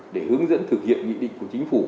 để hướng dẫn thực hiện nghị định của chính phủ